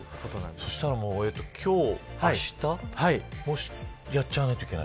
そしたら、今日、あしたやっちゃわないといけない。